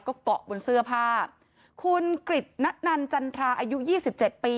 ก็เกาะบนเสื้อผ้าคุณกริจณันจันทราอายุยี่สิบเจ็ดปี